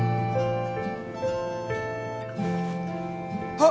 あっ！